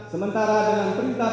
sementara dengan perintah